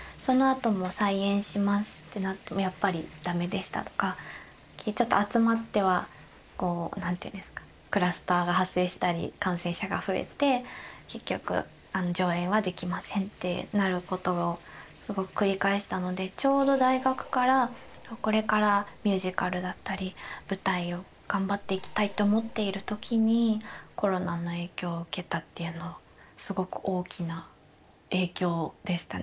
あとも「再演します」ってなってもやっぱり駄目でしたとか集まってはこう何て言うんですかクラスターが発生したり感染者が増えて結局「上演はできません」ってなることをすごく繰り返したのでちょうど大学からこれからミュージカルだったり舞台を頑張っていきたいと思っている時にコロナの影響を受けたっていうのすごく大きな影響でしたね。